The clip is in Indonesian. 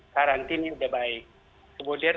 karantinnya sudah baik kemudian